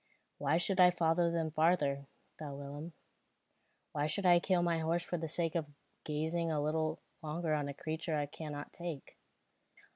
"Why should I follow them farther?" thought Willem. "Why should I kill my horse for the sake of gazing a little longer on a creature I cannot take?"